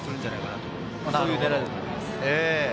そういう狙いだと思います。